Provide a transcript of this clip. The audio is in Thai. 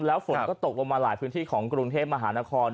แล้วฝนก็ตกลงมาหลายพื้นที่ของกรุงเทพมหานคร